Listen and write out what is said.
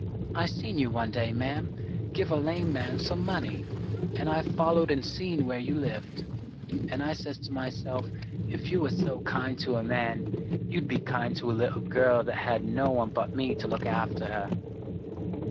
I seen you one day, ma'am, give a lame man some money, an' I followed and seen where you lived. An' I says to myself if you was so kind to a man you'd be kind to a little girl that had no one but me to look after her."